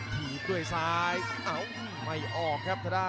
ทีด้วยซ้ายไม่ออกครับทะด้าน